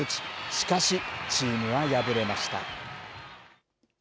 しかし、チームは敗れました。